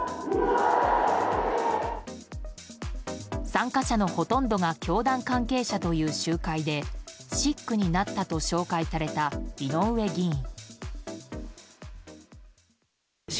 参加者のほとんどが教団関係者という集会で食口になったと紹介された井上議員。